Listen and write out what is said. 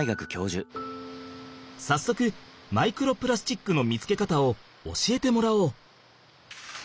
さっそくマイクロプラスチックの見つけ方を教えてもらおう。